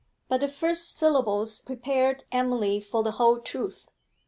But the first syllables prepared Emily for the whole truth.